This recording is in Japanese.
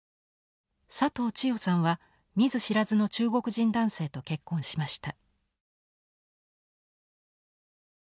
佐藤千代さんは見ず知らずの中国人男性と結婚しました。